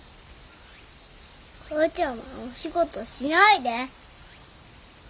お母ちゃまお仕事しないで。